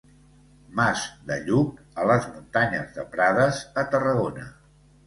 Mas de Lluc a les muntanyes de Prades a Tarragona.